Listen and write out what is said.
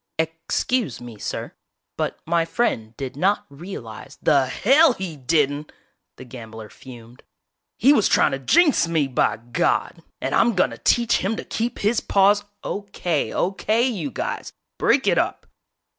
"Ex cuse me, sir, but my friend did not real ize " "The hell he didn't!" The gambler fumed. "He was trying to jinx me, by God! And I'm gonna teach him to keep his paws " "Okay, okay, you guys, break it up!!"